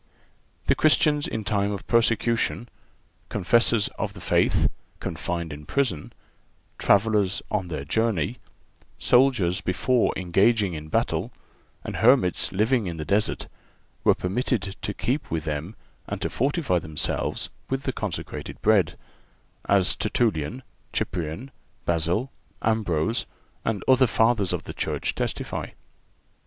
The Christians in time of persecution, confessors of the faith confined in prison, travellers on their journey, soldiers before engaging in battle and hermits living in the desert were permitted to keep with them and to fortify themselves with the consecrated Bread—as Tertullian, Cyprian, Basil, Ambrose and other Fathers of the Church testify.